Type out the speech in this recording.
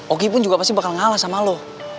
oki pun juga pasti bakal ngalah sama lo